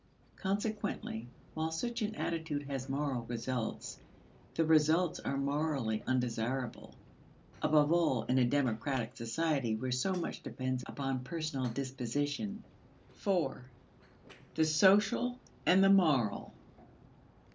Consequently while such an attitude has moral results, the results are morally undesirable above all in a democratic society where so much depends upon personal disposition. 4. The Social and the Moral.